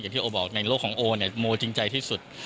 อย่างที่โอบอกในโลกของโอโมจริงใจที่สุด